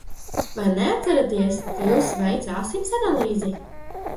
Vai neatceraties, kā jums veica asins analīzi?